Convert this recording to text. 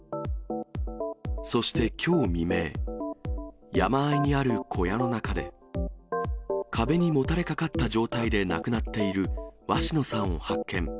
そしてきょう未明、山あいにある小屋の中で、壁にもたれかかった状態で亡くなっている鷲野さんを発見。